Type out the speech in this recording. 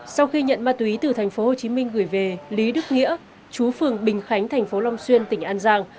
sau khi nhận ma túy từ tp hcm gửi về lý đức nghĩa chú phường bình khánh tp long xuyên tỉnh an giang